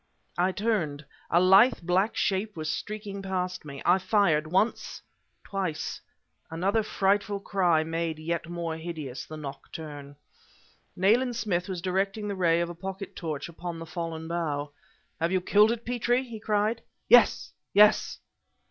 I turned. A lithe black shape was streaking past me. I fired once twice. Another frightful cry made yet more hideous the nocturne. Nayland Smith was directing the ray of a pocket torch upon the fallen bough. "Have you killed it, Petrie?" he cried. "Yes, yes!"